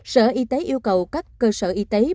sở y tế yêu cầu các cơ sở y tế